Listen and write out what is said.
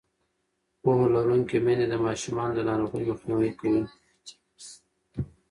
پوهه لرونکې میندې د ماشومانو د ناروغۍ مخنیوی کوي.